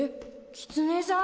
キツネさん！